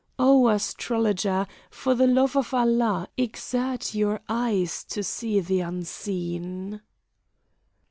"Oh! astrologer, for the love of Allah, exert your eye to see the unseen."